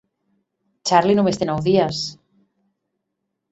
Charlie només té nou dies…